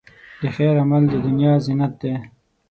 د خیر عمل، د دنیا زینت دی.